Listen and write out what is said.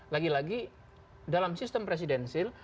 lagi lagi dalam sistem presidensil